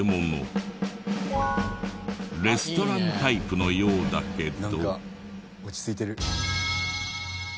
レストランタイプのようだけど。